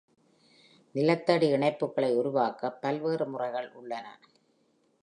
நிலத்தடி இணைப்புகளை உருவாக்க பல்வேறு முறைகள் உள்ளன.